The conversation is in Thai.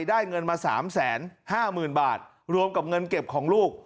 ได้เงินมา๓๕๐๐๐บาทรวมกับเงินเก็บของลูก